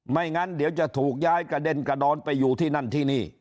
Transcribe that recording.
งั้นเดี๋ยวจะถูกย้ายกระเด็นกระดอนไปอยู่ที่นั่นที่นี่